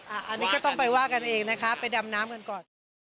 อันนี้ก็ต้องไปว่ากันเองนะคะไปดำน้ำกันก่อน